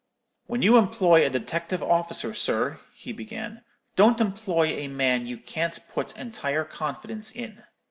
"'When you employ a detective officer, sir,' he began, 'don't employ a man you can't put entire confidence in.